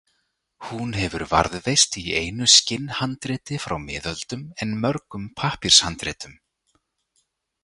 Hún hefur varðveist í einu skinnhandriti frá miðöldum en mörgum pappírshandritum.